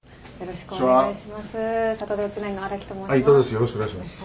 よろしくお願いします。